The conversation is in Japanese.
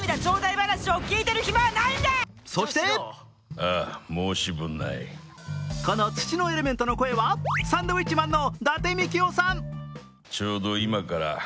そしてこの土のエレメントの声はサンドウィッチマンの伊達みきおさん。